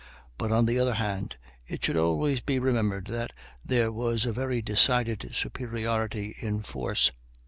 But, on the other hand, it should always be remembered that there was a very decided superiority in force.